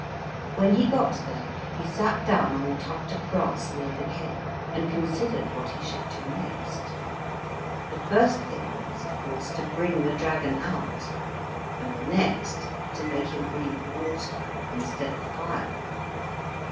When he got there, he sat down on a tuft of grass near the cave, and considered what he should do next. The first thing was, of course, to bring the dragon out, and the next to make him breathe water instead of fire.